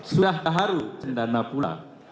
sudah daharu cendana pula